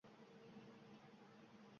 aylanadi qoraytmalarga